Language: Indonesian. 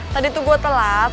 tadi tuh gue telat